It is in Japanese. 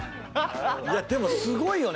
でもすごいよね